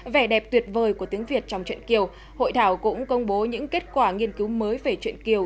vẻ đẹp tuyệt vời của tiếng việt trong chuyện kiều hội thảo cũng công bố những kết quả nghiên cứu mới về chuyện kiều